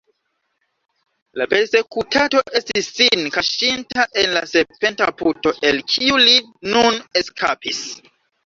La persekutato estis sin kaŝinta en la serpenta puto, el kiu li nun eskapis.